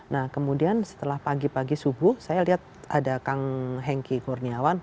nah kemudian setelah pagi pagi subuh saya lihat ada kang henki kurniawan